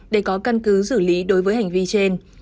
để có căn cứ xử lý đối với hành vi trên